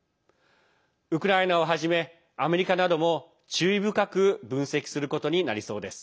ウクライナをはじめアメリカなども注意深く分析することになりそうです。